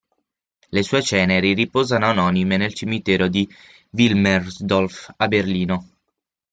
Le sue ceneri riposano anonime nel cimitero di Wilmersdorf, a Berlino.